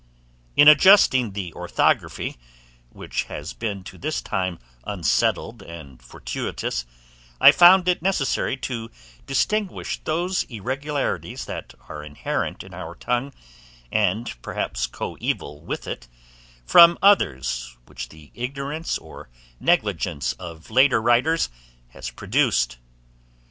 In adjusting the ORTHOGRAPHY, which has been to this time unsettled and fortuitous, I found it necessary to distinguish those irregularities that are inherent in our tongue, and perhaps coeval with it, from others which the ignorance or negligence of later writers has produced.